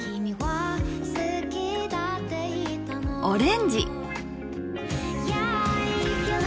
オレンジ。